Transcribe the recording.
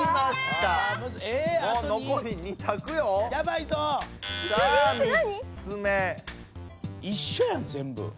いっしょやん全部。